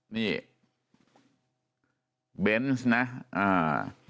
นี่เบนส์นะอ่า